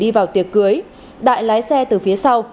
đi vào tiệc cưới đại lái xe từ phía sau